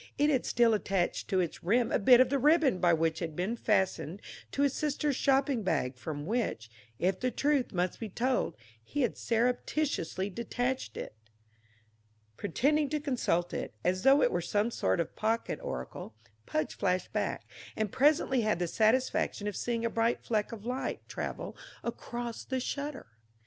It had still attached to its rim a bit of the ribbon by which it had been fastened to his sister's shopping bag, from which, if the truth must be told, he had surreptitiously detached it. Pretending to consult it, as though it were some sort of pocket oracle, Pudge flashed back, and presently had the satisfaction of seeing a bright fleck of light travel across the shutter.